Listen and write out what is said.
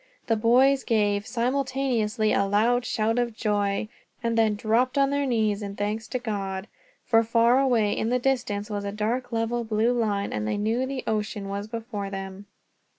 The boys gave, simultaneously, a loud shout of joy; and then dropped on their knees, in thanks to God, for far away in the distance was a dark level blue line, and they knew the ocean was before them.